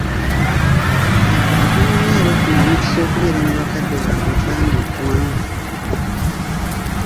Abantu batono nnyo abafuna omukisa okubeera ne bakadde baabwe ebbanga eggwanvu .